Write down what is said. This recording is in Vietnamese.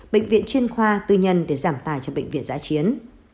bệnh viện chuyên khoa tư nhân để giảm tài cho bệnh viện giã chiến